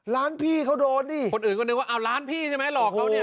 ร้านพี่เขาโดนดิคนอื่นก็นึกว่าอ้าวร้านพี่ใช่ไหมหลอกเขาเนี่ย